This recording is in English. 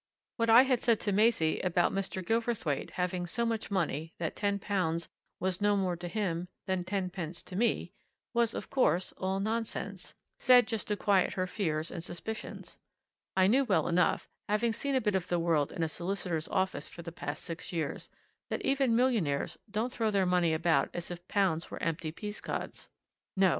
What I had said to Maisie about Mr. Gilverthwaite having so much money that ten pounds was no more to him than ten pence to me was, of course, all nonsense, said just to quieten her fears and suspicions I knew well enough, having seen a bit of the world in a solicitor's office for the past six years, that even millionaires don't throw their money about as if pounds were empty peascods. No!